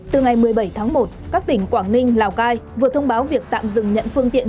từ ngày một mươi bảy tháng một các tỉnh quảng ninh lào cai vừa thông báo việc tạm dừng nhận phương tiện